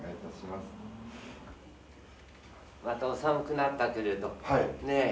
またお寒くなったけれどねえ